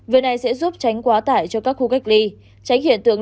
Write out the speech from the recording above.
việc này sẽ giúp tránh quá tải cho các khu cách ly tránh hiện tượng